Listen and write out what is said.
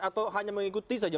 atau hanya mengikuti saja